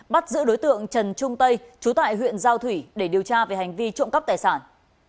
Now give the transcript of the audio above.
bắt giữ đối tượng trần trung tây trú tại huyện giao thủy để điều tra về hành vi trộm cắp tài sản